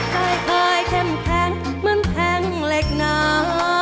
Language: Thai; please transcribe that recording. คล้ายแข็มแขมเมืองแข็งเหล็กนา